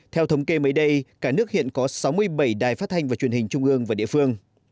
theo thống kê mới đây cả nước hiện có sáu mươi bảy đài phát thanh và truyền hình trung ương và địa phương